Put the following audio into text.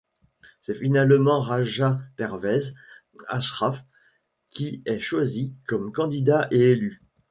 C'est finalement Raja Pervez Ashraf qui est choisi comme candidat et élu.